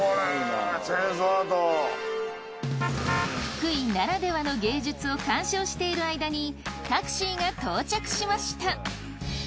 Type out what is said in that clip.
福井ならではの芸術を鑑賞している間にタクシーが到着しました。